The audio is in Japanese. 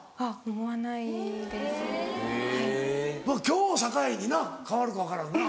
今日を境にな変わるか分からんな。